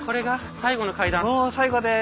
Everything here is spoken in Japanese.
最後です。